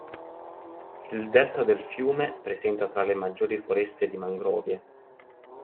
Il delta del fiume presenta tra le maggiori foreste di mangrovie.